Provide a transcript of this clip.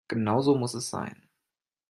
Genau so muss es sein.